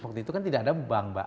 waktu itu kan tidak ada bank mbak